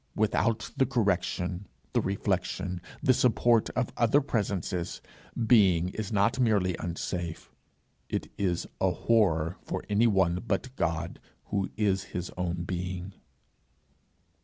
Without the correction, the reflection, the support of other presences, being is not merely unsafe, it is a horror for anyone but God, who is his own being.